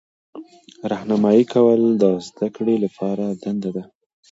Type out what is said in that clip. راهنمایي کول د زده کړې لپاره دنده ده.